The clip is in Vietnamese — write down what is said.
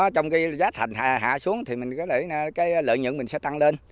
trong giá thành hạ xuống thì lợi nhuận mình sẽ tăng lên